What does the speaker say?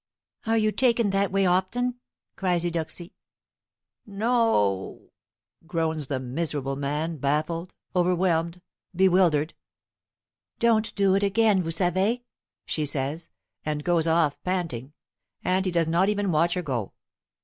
"Are you taken that way often?" cries Eudoxie. "No!" groans the miserable man, baffled, overwhelmed, bewildered. "Don't do it again, vous savez!" she says, and goes off panting, and he does not even watch her go.